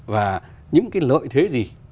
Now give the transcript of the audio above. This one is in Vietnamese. và những cái lợi thế gì